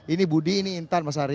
ini budi ini intan mas ari